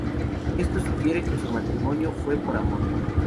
Esto sugiere que su matrimonio fue por amor.